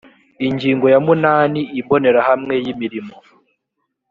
ingingo ya munani imbonerahamwe y imirimo